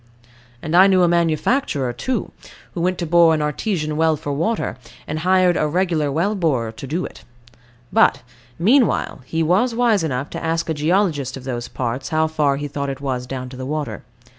And I knew a manufacturer, too, who went to bore an Artesian well for water, and hired a regular well borer to do it. But, meanwhile he was wise enough to ask a geologist of those parts how far he thought it was down to the water.